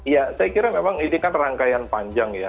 ya saya kira memang ini kan rangkaian panjang ya